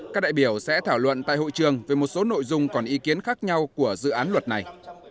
các đại biểu sẽ thảo luận tại hội trường về một số nội dung còn ý kiến khác nhau của dự án luật này